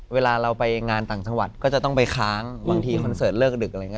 เวลาเราไปงานต่างจังหวัดก็จะต้องไปค้างบางทีคอนเสิร์ตเลิกดึกอะไรอย่างนี้